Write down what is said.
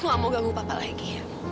gak mau ganggu papa lagi